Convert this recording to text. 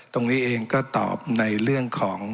ตรงนี้เองก็ตอบในเรื่องของ